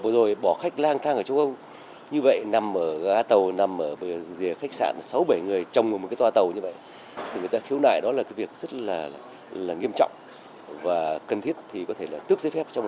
đây là tấm huy chương đầy nỗ lực của võ sĩ nguyễn minh phụng